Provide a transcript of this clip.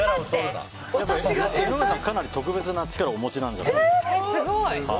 江上さん、特別な力をお持ちなんじゃないかと。